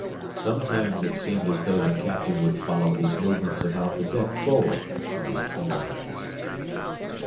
Sometimes it seemed as though the captain would follow his movements about the deck forward with his keen eyes.